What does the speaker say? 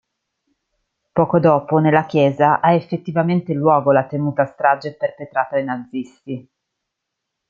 Poco dopo nella chiesa ha effettivamente luogo la temuta strage perpetrata dai nazisti.